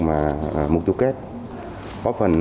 mục tiêu kết góp phần